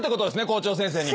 校長先生に。